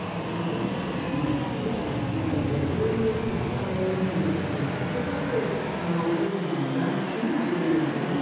出した時にロシア国内でどういう動きが出てくるかってそれはプーチンさんもだいぶ、気にはしているんじゃないですかね。